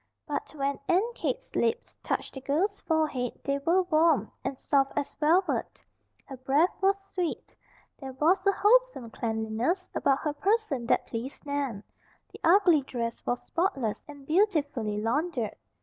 But when Aunt Kate's lips touched the girl's forehead they were Warm, and soft as velvet. Her breath was sweet. There was a wholesome cleanliness about her person that pleased Nan. The ugly dress was spotless and beautifully laundered.